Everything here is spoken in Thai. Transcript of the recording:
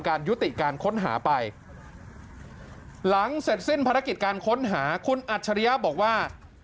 การค้นหาไปหลังเสร็จสิ้นภาระกิจการค้นหาคุณอัตรยาอยากบอกว่า๓